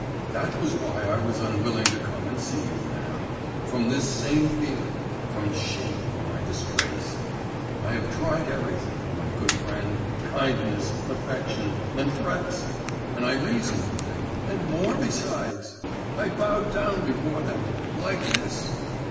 That was why I was unwilling to come and see you, ma'am, from this same feeling, from shame for my disgrace! I have tried everything, my good friend; kindness, affection, and threats, and I reasoned with them, and more besides! I bowed down before them … like this.